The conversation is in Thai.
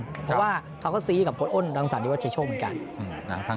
เพราะว่าเขาก็ซีกับคนอ้นดังสันดีว่าเฉยโชคเหมือนกัน